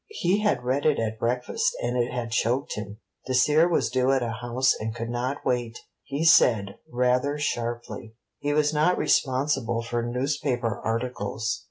He had read it at breakfast, and it had choked him. Dacier was due at a house and could not wait: he said, rather sharply, he was not responsible for newspaper articles.